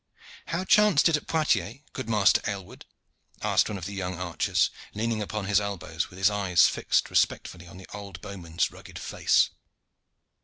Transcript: "How chanced it at Poictiers, good Master Aylward?" asked one of the young archers, leaning upon his elbows, with his eyes fixed respectfully upon the old bowman's rugged face.